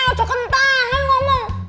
udah kentang ngomong